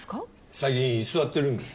最近居座ってるんです。